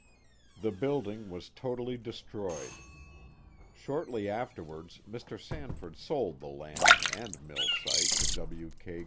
The building was totally destroyed. Shortly afterwards Mr. Sanford sold the land and mill site to W. K.